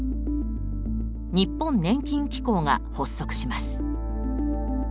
日本年金機構が発足します。